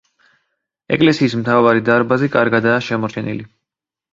ეკლესიის მთავარი დარბაზი კარგადაა შემორჩენილი.